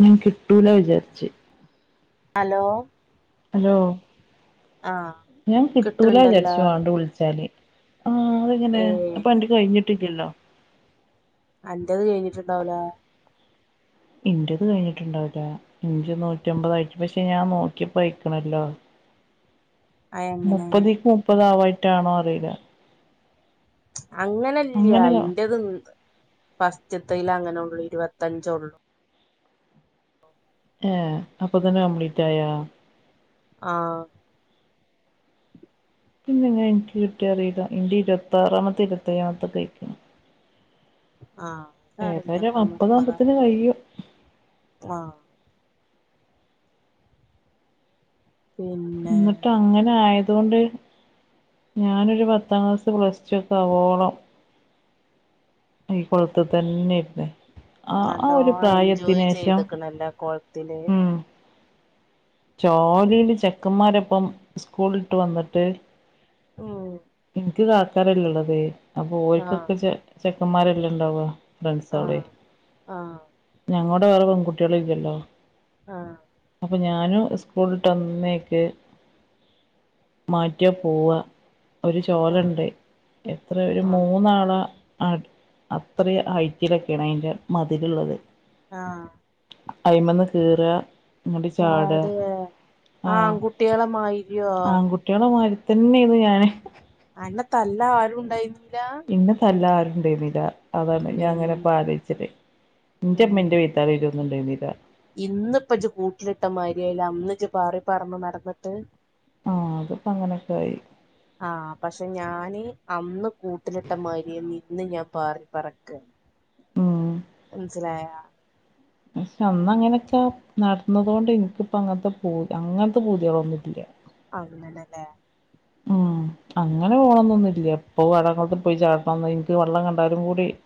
ഞാൻ കിട്ടൂല വിചാരിച്ച് ഹലോ ഹലോ ആഹ് ഞാൻകി ട്ടൂല കിട്ടണ്ടല്ലോ വിചാരിച്ചു വണ്ട് വിളിച്ചാ ല് ആഹ് അതെങ്ങനെ ഏയ് അപ്പ അന്റെ കഴിഞ്ഞിട്ടില്ലല്ലോ അന്റെത് കഴിഞ്ഞിട്ടുണ്ടാവൂലേ ഇന്റത് കഴിഞ്ഞിട്ടുണ്ടാവില്ല ഇഞ്ച് നൂറ്റമ്പതായിട്ടു പക്ഷെ ഞാൻ നോക്കിയപ്പോ അയക്കണല്ലോ അയ് അങ്ങനെ മുപ്പതിക്ക് മുപ്പത ആവായിട്ടാണോ അറിയില്ല അങ്ങനല്ല്യ അങ്ങനെ അയിന്റേത് ഫസ്റ്റതേല് അങ്ങനെ ഉള്ളൂ ഇരുപത്തഞ്ചള്ളൂ ആഹ് അപ്പൊ തന്നെ കംപ്ലീറ്റ് ആയ ആഹ് പിന്നെ എ ങ്ങനെ എനിക്ക് കിട്ടി അറിയില്ല എന്റെ ഇരുപത്താറാമത്തെ ഇരുത്തെ യ്യാമത്തെ കയിക്ക്ണ്. ആഹ ഏതാലും അപ്പതാമ്പത്തിന് കയ്യും ആഹ് പിന്നെ എന്നിട്ട് അങ്ങനെ ആയതുകൊണ്ട് ഞാനൊരു പത്താം ക്ലാസ് പ്ലസ്ടു ഒക്കെ ആവോളം ഈ കുളത്ത തന്നയിരുന്നു ആ നല്ലോ ഒരു എൻജോയ് പ്രായത്തിനേഷം ചെയ്തക്കണല്ല കൊളത്തില് ഉം ജോലിയില് ചെക്കന്മാരപ്പം സ്കൂളട്ട് വന്നിട്ട് ഓഹ് എനിക്ക് കാക്കാരല്ലേ ഉള്ളതേ അപ്പൊ ആഹ് ഓക്കൊക്കെ ചെ ചെക്കന്മാരെല്ലാം ഇണ്ടാവ ആഹ് ഫ്രണ്ട്സോടെ ആഹ് ഞങ്ങളോടെ വേറെ പെൺകുട്ടികള ഇല്ലല്ലോ ആഹ അപ്പൾ ഞാനും സ്കൂളിലിട്ട്ന്നേക്ക് മാറ്റിയാൽ പോവുക ഒരു ആഹ് ചോലുണ്ടായി എത്ര ഒരു ആഹ് മൂന്നാള അത്ര ഐറ്റിലൊക്കെയാണ് അതിൻറെ മതിരുള്ളത് ആ അയി്മന്ന് കേറ അങ്ങട്ട ചാട ആ കുട്ടികളെ മാരിയോ കുട്ടികളെ മാരി തന്നെ അയിരുന്നു ഞാൻ അന തല്ല ആരും ഉണ്ടായിരുന്നില്ല എന്നെ തല്ലാൻ ആരുണ്ടായിുന്നില്ല അതാണ് ഞാൻ അങ്ങനെ ഇമ്മേ ബാാലച്ചിട്ടേ ഉം ഇന്റെമ്മൻന്റെ വീ വിര്ത്താർ ഉണ്ടായിരുന്നില്ല ഇന്നിപ്പ കൂട്ടിലിട്ടമാതിരിയാല അന്ന് നി പാറി പറന്ന് നടന്നിട്ട് ആഹ അത്പ്പോ അങ്ങനെയൊക്കെ ആയി ആഹ പക്ഷെ ഞാന് അന്ന് കൂട്ടിലിട്ടമാതിരി ഇന്ന് ഞാൻ പാറി പറക്കുകയാണ് ഉം മനസിലായ പക്ഷെ അന്ന അങ്ങനെയൊക്കെ നടന്നത കൊണ്ട് എനിക്കിപ്പ അങ്ങനത്തെ പൂതികളൊന്നും ഇല്ല അന്നല്ലല്ലേ ഉം അങ്ങനെ പോകണംന്നൊന്ന ഇില്ല എപ്പൊ അടങ്ങോട്ട പോയി ചാട്ടണം നിനിക്ക് വെള്ളം കണ്ടാലും കൂടി [inaudible]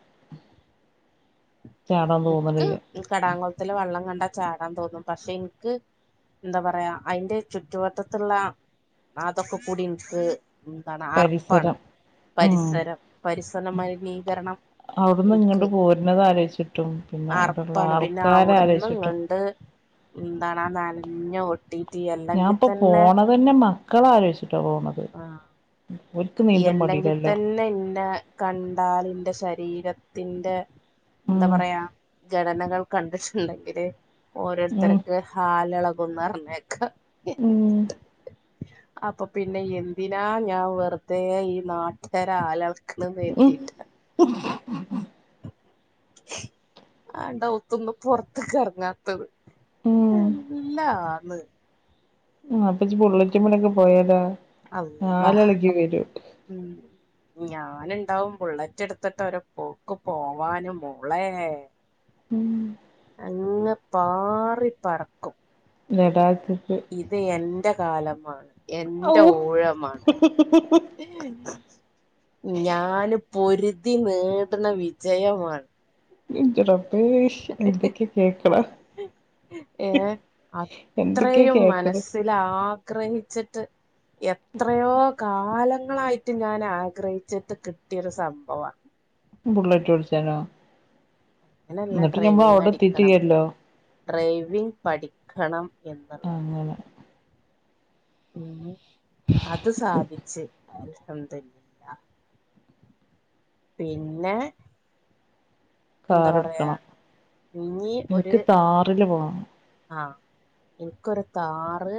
ചാടാൻ എനിക്ക് തോന്നണില്ല കടാകുളത്തില വെള്ളം കണ്ടാ ചാടാൻ തോന്നും പക്ഷെ എനിക്ക് എന്താ പറയാ അതിന്റെ ചുറ്റുവട്ടത്തുള്ള അതൊക്കെ കൂടി എനിക്ക് എന്താണ് അർപ്പാണ് പരിസരം ഉം പരിസരം പരിസര മലിനീകരണം അവിടുന്ന് ഇങ്ങോട്ട് പോരുന്നത് ആലോചച്ചിട്ടും അറപ്പാണ് പിന്നെ അവിടന്നും കണ്ട് എന്താണ് ആ നനഞ്ഞ ഠിട്ടിതില്ല ഞാൻപ്പൊ പോണത് തന്നെ മക്കള ആലോചിച്ചിട്ടാ പോണത് ഓൽക്ക് ഈ നീന്തൻ അല്ലെങ്കിൽ പടീലല്ലോ തന്നെ എന്ന കണ്ടാൽി എന്റെ ശരീരത്തിന്റെ ഉം എന്താ പറയാ ഘടനകൾ കണ്ടിട്ടുണ്ടെങ്കില് ഉം ഓരോരുത്തർക്ക് ഹാലിളകുന്ന പറഞ്ഞ ഉം അപ്പൊ പിന്നെ എന്തിനാ ഞാൻ വെറു ത ഈ നാട്ടുകർ ആലൾക്കണ വത്തിയിട്ട് ഉം ആണ്ടത്തൊന്ന് പുൊറത്തൊക്കെ ഇറങ്ങാത്തത് എല്ലാ ആന്ന് അപ്പ ഇച ഫുള്ളറ്റി മേ ഒക്കെ പോയതാ അള്ള [unintelligible] ഞാനുണ്ടാവും ബുള്ളറ്റ് എടുത്തിട്ട് ഒരു പോക്ക് പോവാന പുളേ ഉം അങ്ങെ പാറി പറക്കും നടാത്തത് ഇത് എന്റെ കാലമാണ് ഔ എന്റെ ഊഴമാണ്. ഞാന് പൊരുതി നേടണ വിജയമാണ്. ഇന്റെ റബ്ബേ. എന്തൊക്കെയാ കേക്കടാ. ഏ എന്തൊക്കെയാ കേട്ടത്? ആഗ്രഹിച്ചിട്ട് എത്രയോ കാലങ്ങളായി ട്ട് ഞാനാഗ്രഹിച്ചിട്ട് കിട്ടിയൊരു സംഭവാ. ബുള്ളറ്റോടിച്ചാനോ? അങ്ങനല്ല എന്നിട്ട് ഞമ്മ അവിടെ എത്തീറ്റില്ലല്ലോ? ഡ്രൈവിംഗ് പഠിക്കണം എന്ന്ള്ളത്. അങ്ങനെ. ഉം അത് സാധിച്ച്. അൽഹംദുലില്ലാഹ്. പിന്നെ എന്താ പറയാ ഥാറെട്ക്കണം. ഇനി ഒരു എന്നിട്ട് ഥാറില് പോണം. ആഹ് ഇൻക്കൊരു ഥാറ്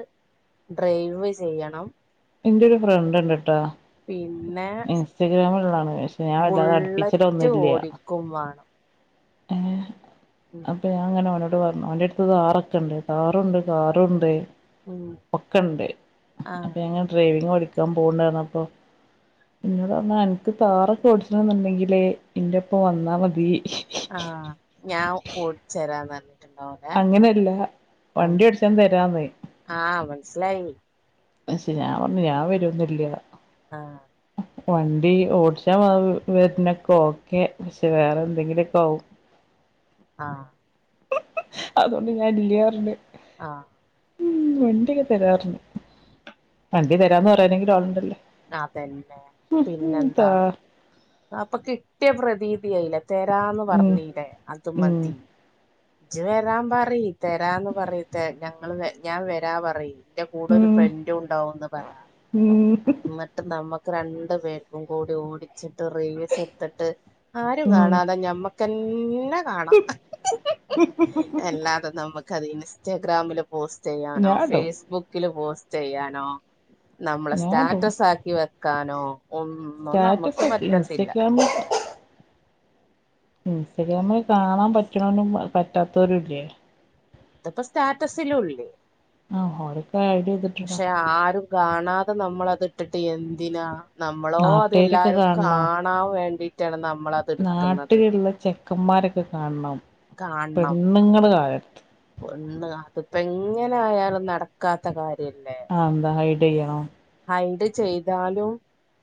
ഡ്രൈവ് ചെയ്യണം എന്റൊരു ഫ്രണ്ട്ണ്ട്ട്ടാ പിന്നെ ഇൻസ്റ്റഗ്രാമ്ള്ളതാണ്. പക്ഷെ ഞാൻ വല്ലാതെ അടുപ്പിച്ചിട്ടൊന്നു ബുള്ളറ്റ് ഇല്ല ഓടിക്കും വാണം ഏഹ് ഉം അപ്പൊ ഞാൻ ഇങ്ങനെ ഓനോ ട് ഓന്റട്ത്ത് ഥാറൊക്ക ഇണ്ട്. ഥാറൂണ്ട് കാറൂണ്ട് ഉം ഒക്കെണ്ട്. ആഹ് പിന്നെ ഞാൻ ഡ്രൈവിങ് പഠിക്കാൻ പോണ്ട് പറഞ്ഞപ്പോ പിന്നെ പറഞ്ഞാ അനക്ക് ഥാറൊക്കെ ഓടിച്ചണെന്നുണ്ടെങ്കില് ഇന്റെപ്പ വന്നാ മതി ആഹ് ഞാൻ ഓടിച്ചരാന്നറഞ്ഞ അങ്ങനെയല്ല. വണ്ടി ഓടിച്ചാൻ തരാന്ന് ആഹ് മനസ്സിലായി. പക്ഷെ ഞാൻ പറഞ്ഞ് ഞാൻ വര്വൊന്നു ഇല്ല. ആഹ് വണ്ടി ഓടിച്ചാ വരുന്നൊക്കെ ഓക്കെ, പക്ഷെ വേറെ എന്തെങ്കിലുവൊക്കെ ആവും. ആഹ് അതൊണ്ട് ഞാൻ ഇല്ല പറഞ്ഞ് ആഹ് ഉം വണ്ടിയൊക്കെ തരാ പറഞ്ഞ്. വണ്ടി തരാന്ന് പറയാനെങ്കിലും ആള്ണ്ടല്ലോ. അതന്നെ പിന്നെന്താ. അപ്പൊ കിട്ടിയ പ്രതീതിയായില്ലേ. തെരാന്ന് ഉം പറഞ്ഞീലേ? അത് ഉം മതി ഇജ്ജ് വരാൻ പറീ. തരാന്ന് പറഞ്ഞിറ്റേ. ഞങ്ങള്, ഞാൻ വരാ പറീ. എന്റെ കൂടെ ഒരു ഉം ഫ്രന്റു ഇണ്ടാവൂന്ന് പറഞ്ഞാ ഉം എന്നിട്ട് നമ്മക്ക് രണ്ടു പേർക്കും കൂടി ഓടി ച്ചിട്ട് റേസ് എട്ത്തിട്ട് ആരും ഉം കാണാതെ ഞമ്മക്കെന്നെ കാണാ. [inaudible] നമ്ക്കത് ഇൻസ്റ്റാഗ്രാമില് പോസ്റ്റ് ചെയ്യാനോ ഞാടും ഫേസ്ബുക്കില് പോസ്റ്റ് ചെയ്യാനോ നമ്മളെ ഞാടും സ്റ്റാറ്റസ് ആക്കി വെക്കാനോ ഒന്നും സ്റ്റാറ്റസ് നമുക്ക് ഒക്കെ പറ്റത്തില്ല [unintelligible] ഇൻസ്റ്റഗ്രാമ് കാണാൻ പറ്റണോലും പറ്റാത്തോരു ഇല്ലേ? അതിപ്പൊ സ്റ്റാറ്റസിലു ഇല്ലേ? ആഹ് ഓരൊക്കെ ആഡ് ചെയ്തിട്ടുണ്ടാ പക്ഷെ ആരും കാണാതെ നമ്മളതിട്ടിട്ട് എന്തിനാ? നമ്മളോ നാട്ടുകാരൊക്കെ അതെല്ലാരും കാണ ണാൻ വേണ്ടിയിട്ടാണ് നമ്മളത് എടുക്കുന്നത് നാട്ടില്ള്ള ചെക്കന്മാരൊക്കെ കാണണം കാണണം. പെണ്ണുങ്ങള് കാണരുത് ഒന്ന് അതിപ്പോ എങ്ങനെ ആയാലും നടക്കാത്ത കാര്യല്ലേ? അതെന്താ ഹൈഡ് ചെയ്യണോ? ഹൈഡ് ചെയ്താലും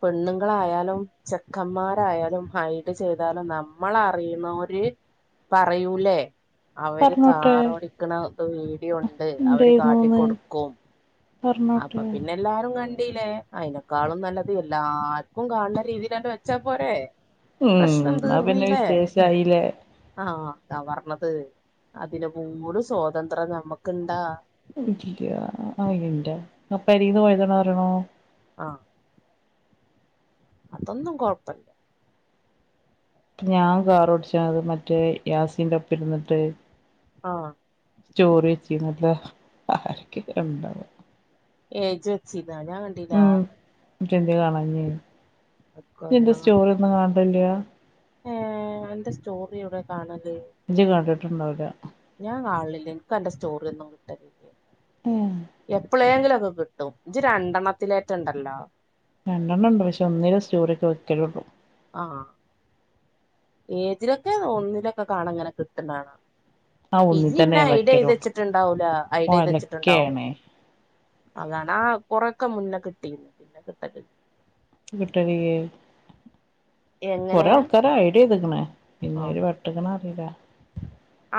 പെണ്ണുങ്ങളായാലും ചെക്കന്മാരായാലും ഹൈഡ് ചെയ്താലും നമ്മളറിയുന്നോര് പറയൂലേ അവര് പറഞ്ഞോട്ടെ താണോടിക്കണത് വീഡിയോണ്ട് അവര് കാട്ടിക്കൊടുക്കും അപ്പൊ പർഞ്ഞോട്ടെ പിന്നെ എല്ലാരും കണ്ടീല്ലേ അയിനെക്കാളും നല്ലത് എല്ലാർക്കും കാണ രീതില് വെച്ചാ പോരേ ഉം പ്രശ്നം എന്നാ പിന്നെ തീർന്നീലേ വിശേഷായില്ലേ ആഹ അതാ പറഞ്ഞത് അതിന്പൂല സ്വാതന്ത്ത്രം നമ്മക്ക്‌ ഉണ്ട ഇ അയിന്റെ അപ്പരിന്ന് പോയതോണ അറിയണോ ആഹ് അതൊന്നും കുഴപ്പല് ഞാൻ കാറോടിച്ചത് മറ്റേ യാസിീന്റെ ഒപ്പ ഇരുന്നിട്ട് ആഹ സ്റ്റോറി ചെയ നല്ല ആരക്കെ ഉണ്ടാവ ഏയ് ജോച്ചിതാ ഞാൻ കണ്ടില്ലാ ഇട്ടന്റെ കാണഞ്ഞേ അതൊക്കെ എന്റെ സ്റ്റോറി ഒന്നും കാണണ്ടില്ല ഏ എന്റെ സ്റ്റോറി ഇവി കാണല് ഇജ്ജ് കണ്ടിട്ടുണ്ടാവില്ലാ ഞാൻ [unintelligible] ക്ക് അന്റെ സ്റ്റോറിന്നും കിട്ട ഏഹ് [unintelligible] എപ്പളെങ്കിലും ഒക്കെ കി ട്ടോ ജ്ജ് രണ്ടെണ്ണത്തിലേറ്റുണ്ടല്ലോ രണ്ടെണ്ണം ഉണ്ട് പക്ഷെ ഒന്നില സ്റ്റോറി ഒക്കെ വെക്കലുള്ളൂ ആ ഏജിലൊക്കെ ഒന്നിലൊക്കെ കാണ ഇങ്ങനെ കിട്ടുന്ന കാണ ആ ഇത് ഒന്നിൽ തന്നെ ഇന്ന് ഞാൻ ഐഡ് ചെയ്ത് വെക്കലുള്ളൂ വെച്ചിട്ടുണ്ടാവൂലോ ഐഡ് ചെയ്ത് വെച്ചിട്ടുണ്ടാവും ഒലക്കേണ് അങ്ങാണം കൊറൊക്കെ മുന്നേ കിട്ടീന്ന് പിന്നെ കിട്ടരു [unintelligible] എങ്ങനെ കൊറെേ [unintelligible] ഐഡിയ എതുക്കണ പിന്നേര് വട്ടക്കണ അറിയില്ല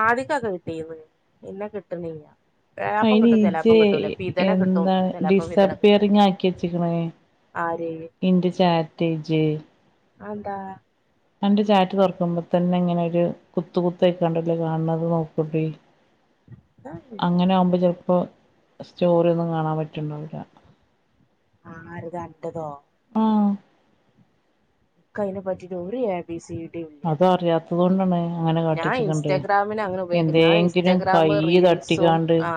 ആദ്യക്കക്ക കിട്ടീന്ന് പിന്നെ കിട്ടണില്ലാ അയിന് ജ്ജ് കിട്ടും എന്താ ചെലേപ്പം ഫിദനെ കിട്ടും ഡിസപ്പിയറിംങ് ആക്കി വച്ച്ക്കണേ ആര് എന്റെ ചാറ്റ്ച്ച് ആന്താ എന്റെ ചാറ്റ് തൊറക്കുമ്പോ തന്നെ ഇങ്ങനൊരു കുത്തു കുത്തയിക്കാണ്ടല്ലോ കാണണത് നോക്കൂട്ടി അങ്ങനെ ആമ്പോ ചെലപ്പോ സ്റ്റോറി ഒന്നും കാണാൻ പറ്റണ്ടാവില്ല ആരു [unintelligible] ആ [unintelligible] അതിനെപ്പറ്റി ഒരു [unintelligible] ഡി യും ഇല്ല അത് അറിയാത്തത് കൊണ്ടാണ് അങ്ങനെ കാട്ടി ഞാൻ ഇൻസ്റ്റാഗ്രാമിന് അങ്ങനെ [unintelligible] ഉപയോഗിക്കും എന്തേ ഞാൻ ഇതും ഇൻസ്റ്റാഗ്രാം കൈ റീൽസും തട്ടിക്കാണ്ട് ആ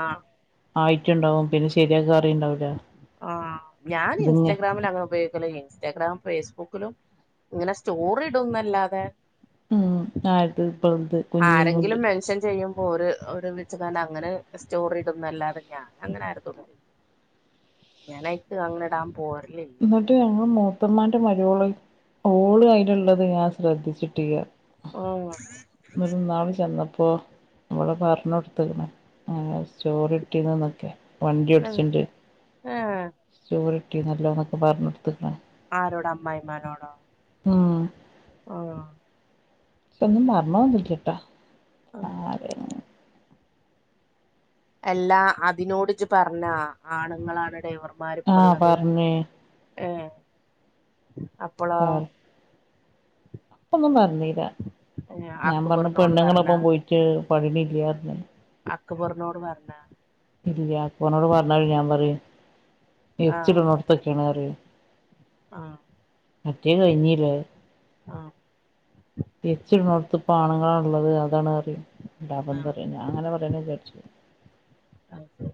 ആയിട്ടുണ്ടാവും പിന്നെ ശരിയാക്കാൻ അറിണ്ടാവൂല ആ ഞാൻ ഇൻസ്റ്റഗ്രാമിൽ അങ്ങന ഉപയോഗിക്ക [unintelligible] ഇൻസ്റ്റാഗ്രാം ഫേസ്ബുക്കിലും ഇങ്ങനെ സ്റ്റോറി ഇടും എന്നല്ലാതെ ഉം ആയിട്ട് [unintelligible] ആരെങ്കിലും മെൻഷൻ ചെയ്യും അപ്പൊ ഒരു ഒരുമിച്ച് അങ്ങനെ സ്റ്റോറി ഇടുന്നല്ലാതെ ഞാൻ അങ്ങനെ ആരു ഞാനയിട്ട് അങ്ങനെടാൻ പോവറില്ല എന്നിട്ട് ഞങ്ങൾ മൂത്തന്മാന്റെ മരുമോള് ഓള് [inaudible] ഞാൻ ശ്രദ്ധിച്ചിട്ടില്ല [inaudible] ങൾ ഇന്നാള് ചെന്നപ്പോ നമ്മള് പറഞ്ഞ് കൊടുത്തക്കണ സ്‌റ്റോറി ഇട്ടീന്നന്നൊക്കെ വണ്ടി ഉം ഒടിച്ചിണ്ട് ഏഹ് ചോറിട്ടി നല്ലോ എന്നൊക്കെ പറഞ്ഞ്കൊ ടുത്തക്കണ ആരോട അമ്മായിമാനോടോ മ്മ്മം ആഹ ഇപ്പൊ [unintelligible] [unintelligible] കട്ടോ ആ എല്ലാ അതിനോട് ജ്ജ് പറഞ്ഞ ആണുങ്ങളാണ് ഡേവർ ആഹ പറഞ്ഞേ ഏ അപ്പോളോ പം ഒന്നും പറഞ്ഞില്ല, ഏഹ് ഞാൻ പറഞ്ഞ് അക്ബറിനോട് പറഞ്ഞാ പെണ്ണുങ്ങളൊപ്പം [inaudible] [unintelligible] അക്ക്‌ബർനോട് പറഞ്ഞതി ഇല്ല ഓന്നോട് പറഞ്ഞാല് ഞാൻ പറയും ആഹ് എച്ചടന്നോടത്തൊക്കെയാണ് പറയും ആഹ് മറ്റേ കഴിഞ്ഞിലേ ആഹ് [unintelligible] ആണുങ്ങളാ ഉള്ളത് അതാണ് അറിയു [unintelligible] എന്ന് ആഹ് പറയാന അങ്ങനെ പറയാന വിചാരിച്ച ആഹ് ശരി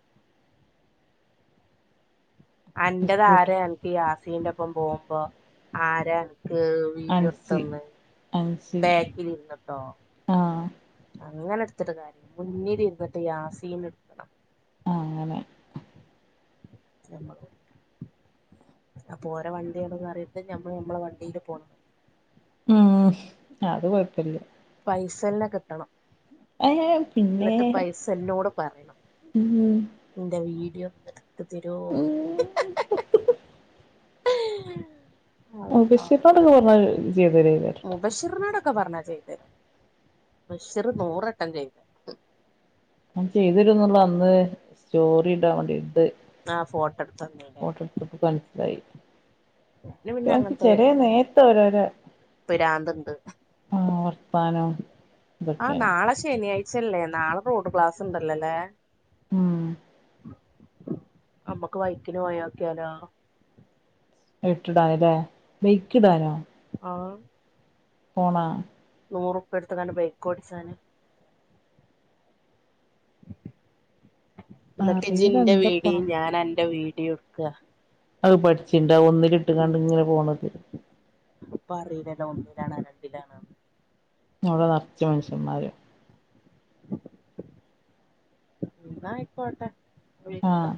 അൻ്റത് സ്കൂട്ടി ആരാ അൻക്ക് ഈ ആസിന്റെ ഒപ്പം പോകുമ്പോ ആരാ അൻക്ക് അൻസി വീഡിയോട്ത്തന്ന് അൻസി ബാക്കിൽ ഇരിന്ന് ട്ടോ ആഹ് അങ്ങനെ എടുത്തിട്ട് കാര്യല്ലാ മുന്നില് ഇരുന്നിട്ട് യാസീൻ എടുക്കണം ആഹ് അങ്ങനെ ഞമ്മളോട് അപ്പൊ ഒര വണ്ടിയൊക്കെ മാറിട്ട് നമ്മള് നമ്മടെ വണ്ടിയില് പോണ് ഉം അത് കൊഴപ്പമില്ല പൈസ തന്നെ കിട്ടണം ഏഹ് പിന്നെ എന്നിട്ട് പൈസ എന്നോട് പറയണം ഉം ന്റെ വീഡിയോ ഒന്ന് എടുത്ത് തരോന് ഉം മുബിഷിപ്പ് [unintelligible] ചെയ്ത് [unintelligible] മുബഷീറിനോടൊക്ക പറഞ്ഞാ ചെയ്തരും മുബഷീർ നൂറട്ടം ചെയ്തരും ഓൻ ചെയ്തരുനുള്ള അന്ന് സ്റ്റോറി ഇടാൻ വേണ്ടി ണ്ട് ആഹ് ഫോട്ടോ എടുത്ത് തന്നീലെ പ്പൊ മനസ്സിലായി പിന്നെ ഓൻക്ക് ചേലെ നേര്ത്ത് ഓരോരാ പിരാന്തിണ്ട് വർത്താനോം ആഹ് ഇതൊക്കെയാണ് നാളെ ശനിയാഴ്ചല്ലേ നാളെ റോഡ് ഗ്ലാസ് ഉണ്ടല്ലോല്ലെ ഉം നമ്മക്ക് വൈക്കിന് പോയി നോക്കിയാലോ [unintelligible] ആഹ് പോണാ നൂറ്പ്പ്യ എടുത്ത് ഇങ്ങാണ്ട് ബൈക്ക് ഓടിച്ചാന് എനിട്ട് ഇജ്ജ് അറിയില്ല ന്റെ എന്താപ്പ വീടീം ഞാൻ എന്റെ വീഡിയോ എടുക്ക അത് പഠിച്ചിണ്ടാ ഒന്നിലിട്ട് കാണ്ട് ഇങ്ങനെ പോണത് ഇപ്പ അറിയിലല്ലോ ഒന്നിലാണോ രണ്ടിലാണോ ഇവിടെ നറച്ച് മൻഷ്യന്മാര് എന്നായിക്കോട്ടെ വിളിക്ക ആഹ്